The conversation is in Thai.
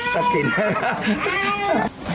สะกิดได้ครับ